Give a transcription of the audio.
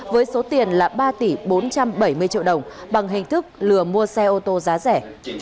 với số tiền là ba tỷ bốn trăm bảy mươi triệu đồng bằng hình thức lừa mua xe ô tô giá rẻ